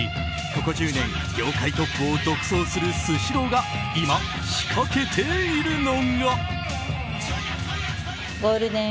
ここ１０年業界トップを独走するスシローが今、仕掛けているのが。